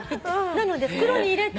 なので袋に入れて。